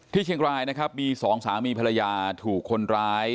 เชียงรายนะครับมีสองสามีภรรยาถูกคนร้าย